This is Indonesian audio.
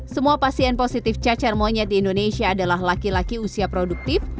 semua pasien positif cacar monyet di indonesia adalah laki laki usia produktif